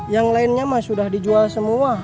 yang lainnya sudah dijual semua